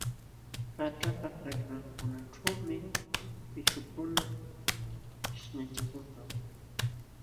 Haćhapa kallmankunaćhuumi pishqukuna qishnachakulkan.